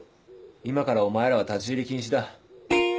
今からお前らは立ち入り禁止だ。